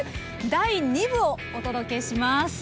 第２部をお届けします。